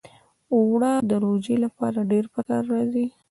اوړه د روژې لپاره ډېر پکار راځي